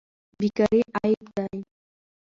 بیکاري عیب دی.